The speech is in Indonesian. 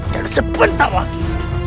dan sebentar lagi